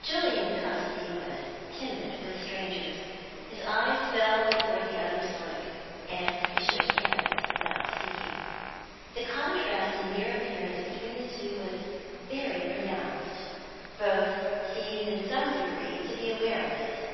Julian Casti was timid with strangers; his eyes fell before the other's look, and he shook hands without speaking. The contrast in mere appearance between the two was very pronounced; both seemed in some degree to be aware of it.